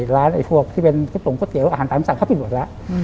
ไอ้พวกที่เป็นก๋งก๋วเตี๋ยอาหารตามสั่งเขาปิดหมดแล้ว